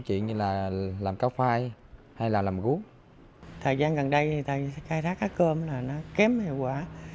thời gian gần đây tại khai thác cá cơm là nó kém hiệu quả